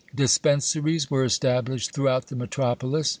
Dispensaries were established throughout the metropolis.